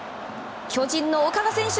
巨人の岡田選手